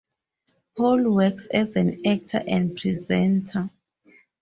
Paul works as an actor and presenter.